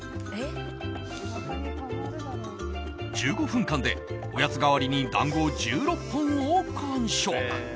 １５分間でおやつ代わりに団子１６本を完食。